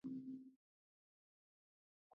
هلمند سیند د افغانستان د سیلګرۍ برخه ده.